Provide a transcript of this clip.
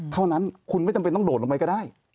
เท่านั้นคุณไม่จำเป็นต้องโดดลงไปก็ได้